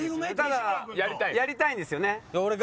ただやりたいんですよね？